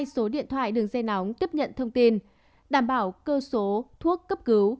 hai số điện thoại đường dây nóng tiếp nhận thông tin đảm bảo cơ số thuốc cấp cứu